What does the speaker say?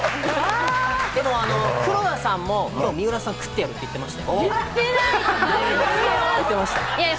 でも黒田さんも水卜さん、食ってやる！っておっしゃってましたよ。